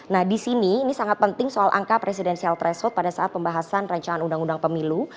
nah di sini ini sangat penting soal angka presidensial threshold pada saat pembahasan rancangan undang undang pemilu